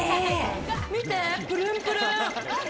見て、プルンプルン！